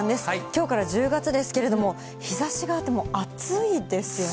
きょうから１０月ですけれども、日ざしがあって、もう暑いですよ